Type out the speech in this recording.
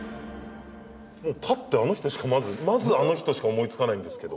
パッてあの人しかまずまずあの人しか思いつかないんですけど。